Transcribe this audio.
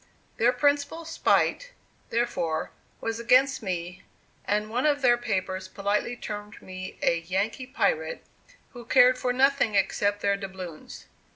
Their principal spite, therefore, was against me; and one of their papers politely termed me a "Yankee pirate," who cared for nothing except their doubloons.